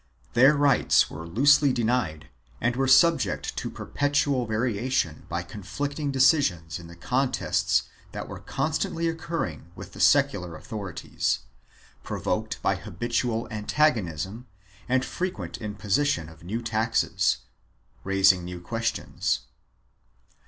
Their rights were loosely defined and were subject to perpetual variation by conflicting decisions in the contests that were constantly occurring with the secular authorities, provoked by habitual antagonism and the frequent imposition of new taxes, raising new questions.